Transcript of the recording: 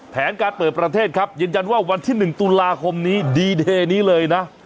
แผนการเปิดประเทศครับยืนยันว่าวันที่๑ตุลาคมนี้ดีเดย์นี้เลยนะ